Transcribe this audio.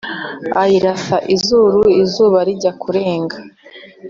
Ayirasa izuru izuba rijya kurenga